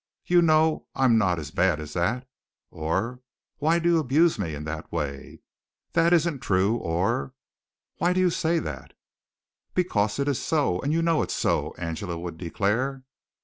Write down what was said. You know I'm not as bad as that," or "Why do you abuse me in that way? That isn't true," or "Why do you say that?" "Because it is so, and you know it's so," Angela would declare.